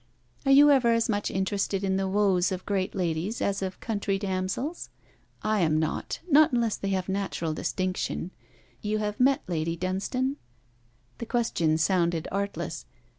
Are you ever as much interested in the woes of great ladies as of country damsels? I am not not unless they have natural distinction. You have met Lady Dunstane?' The question sounded artless.